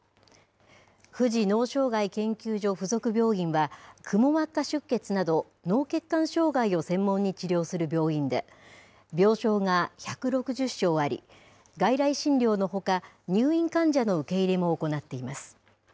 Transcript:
富士脳障害研究所附属病院は、くも膜下出血など脳血管障害を専門に治療する病院で、病床が１６０床あり、外来診療のほか、入院患者の受け入れも行っています。